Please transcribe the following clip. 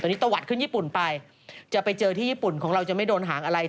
ตอนนี้ตะวัดขึ้นญี่ปุ่นไปจะไปเจอที่ญี่ปุ่นของเราจะไม่โดนหางอะไร